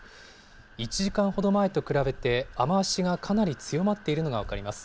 １時間ほど前と比べて、雨足がかなり強まっているのが分かります。